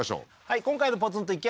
今回のポツンと一軒家